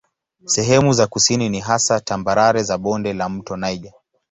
Sehemu za kusini ni hasa tambarare za bonde la mto Niger.